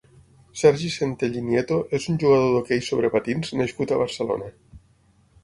Sergi Centell i Nieto és un jugador d'hoquei sobre patins nascut a Barcelona.